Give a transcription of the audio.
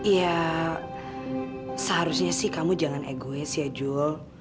ya seharusnya sih kamu jangan egois ya jul